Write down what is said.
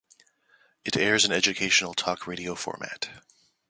It airs an educational talk radio format.